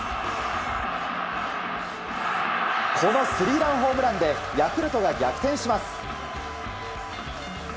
このスリーランホームランでヤクルトが逆転します。